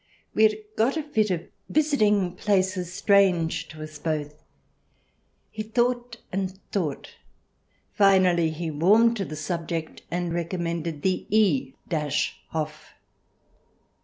We had got a fit of visiting places strange to us both. He thought and thought, finally he warmed to the subject, and recommended the E Hof.